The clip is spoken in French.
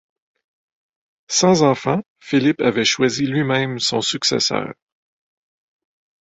Sans enfant, Philippe avait choisi lui-même son successeur.